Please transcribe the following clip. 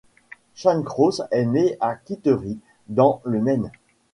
Shawcross est né à Kittery, dans le Maine.